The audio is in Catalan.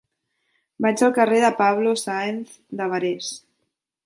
Vaig al carrer de Pablo Sáenz de Barés.